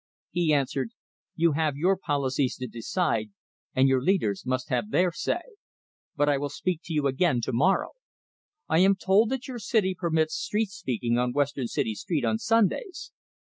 He answered, "You have your policies to decide, and your leaders must have their say. But I will speak to you again to morrow. I am told that your city permits street speaking on Western City Street on Sundays.